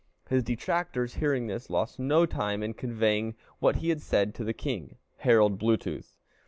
His detractors, hearing this, lost no time in conveying what he had said to the king (Harald Bluetooth).